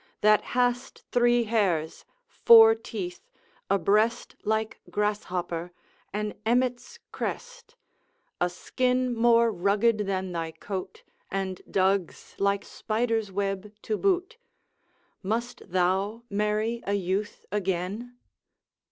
That hast three hairs, four teeth, a breast Like grasshopper, an emmet's crest, A skin more rugged than thy coat, And drugs like spider's web to boot. Must thou marry a youth again?